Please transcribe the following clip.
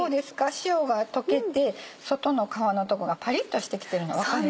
塩が溶けて外の皮のとこがパリっとしてきてるの分かります？